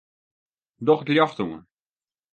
Doch it ljocht oan.